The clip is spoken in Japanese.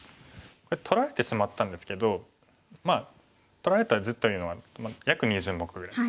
取られてしまったんですけど取られた地というのは約２０目ぐらい。